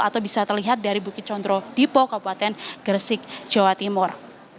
atau bisa terlihat dari bukit condro dipo kabupaten gresik jawa timur